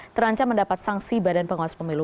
terancam mendapat sanksi badan pengawas pemilu